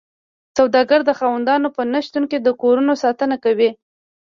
سوداګر د خاوندانو په نشتون کې د کورونو ساتنه کوي